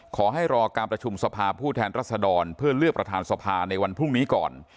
ขอให้รอการประชุมสภาผู้แทนรัศดรเพื่อเลือกประธานสภาในวันพรุ่งนี้ก่อน